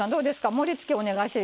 盛りつけお願いして。